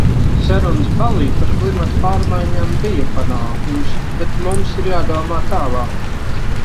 Sarunas Bali par klimata pārmaiņām bija panākums, bet mums ir jādomā tālāk.